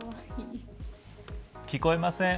聞こえません。